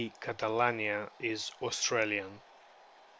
catalania is Australian.